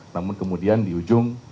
namun kemudian di ujung